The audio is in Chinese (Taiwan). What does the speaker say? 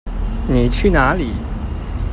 妳去哪裡？